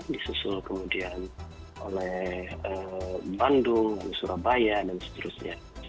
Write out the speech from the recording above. disusul kemudian oleh bandung surabaya dan seterusnya